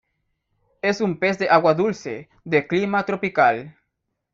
Es un pez de Agua dulce, de clima tropical.